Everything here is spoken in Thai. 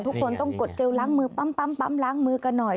ทุกคนต้องกดเจลล้างมือปั๊มล้างมือกันหน่อย